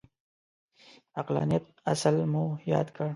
د عقلانیت اصل مو یاد کړ.